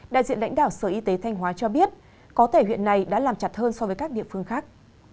đại diện lãnh đạo sở y tế thanh hóa cho biết có thể huyện này đã làm chặt hơn so với các địa phương khác